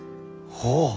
ほう！